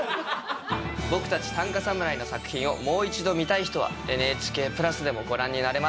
僕たち短歌侍の作品をもう一度見たい人はＮＨＫプラスでもご覧になれます。